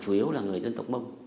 chủ yếu là người dân tộc mông